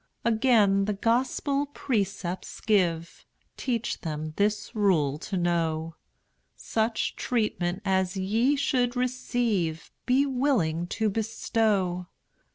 Again the Gospel precepts give; Teach them this rule to know, Such treatment as ye should receive, Be willing to bestow.